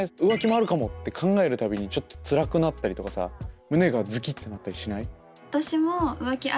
「浮気もあるかも」って考えるたびにちょっとつらくなったりとかさ胸がズキッとなったりしない？